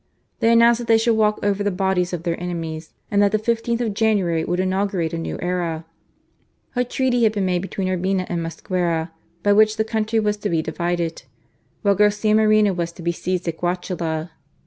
They announced that they should walk over the bodies of their enemies, and that the 15th of January would inaugurate a new era ! A treaty had been made between Urbina and Mosquera, by which the country was to be divided, while Garcia Moreno was to be seized at Guachala.